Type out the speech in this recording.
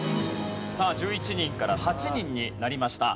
さあ１１人から８人になりました。